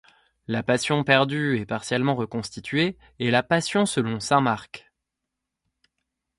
La passion perdue et partiellement reconstituée est la Passion selon saint Marc.